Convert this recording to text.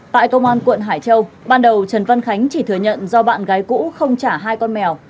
tại công an quận hải châu ban đầu trần văn khánh chỉ thừa nhận do bạn gái cũ không trả hai con mèo